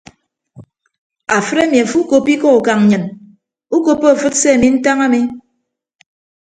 Afịt emi afo ukoppo ikọ ukañ nnyịn ukoppo afịt se ami ntañ ami.